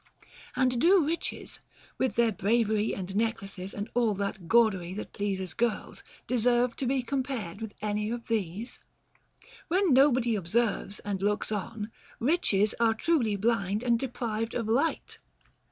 IV. 74. OF THE LOVE OF WEALTH. 305 and do riches, with their bravery and necklaces and all that gaudery that pleases girls, deserve to be compared with any of these X When nobody observes and looks on, riches are truly blind and deprived of light.